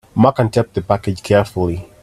Mark untaped the package carefully.